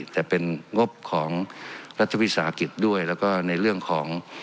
แต่เป็นงบของรัฐวิสาหกิจด้วยแล้วก็ในเรื่องของ